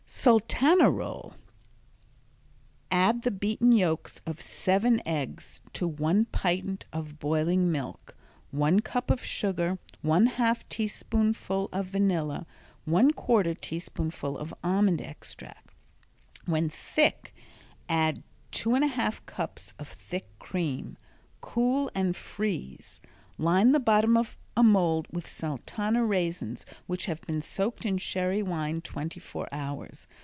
Sultana Roll Add the beaten yolks of seven eggs to one pint of boiling milk, one cup of sugar, one half teaspoonful of vanilla, one quarter teaspoonful of almond extract. When thick add two and a half cups of thick cream. Cool and freeze. Line the bottom of a mold with Sultana raisins which have been soaked in sherry wine twenty four hours.